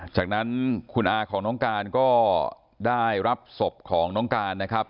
จากนั้นคุณอาของน้องการก็ได้รับศพของน้องการนะครับ